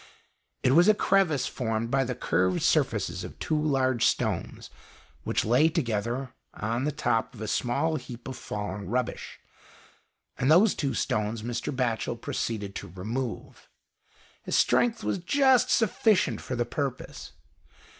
It was a crevice formed by the curved surfaces of two large stones which lay together on the top of a small heap of fallen rubbish, and these two stones Mr. Batchel proceeded to remove. His strength was just sufficient for the purpose.